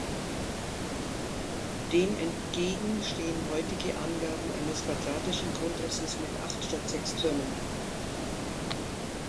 Dem entgegen stehen heutige Angaben eines quadratischen Grundrisses mit acht statt sechs Türmen.